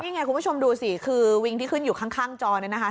นี่ไงคุณผู้ชมดูสิคือวิงที่ขึ้นอยู่ข้างจอเนี่ยนะคะ